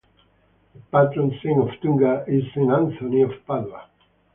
The patron saint of Tunga is Saint Anthony of Padua.